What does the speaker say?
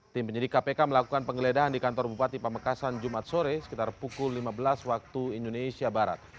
tim penyidik kpk melakukan penggeledahan di kantor bupati pamekasan jumat sore sekitar pukul lima belas waktu indonesia barat